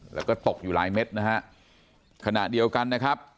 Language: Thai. แล้วก็ตกอยู่หลายเม็ดนะฮะขณะเดียวกันนะครับ